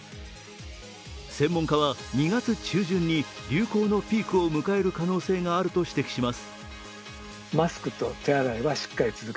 専門家は２月中旬に流行のピークを迎える可能性があると指摘します。